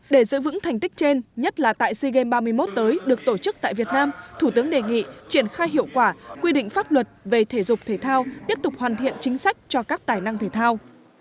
để giữ vững thành tích trên nhất là tại sea games ba mươi một tới được tổ chức tại việt nam thủ tướng đề nghị triển khai hiệu quả quy định pháp luật về thể dục thể thao tiếp tục hoàn thiện chính sách cho các tài năng thể thao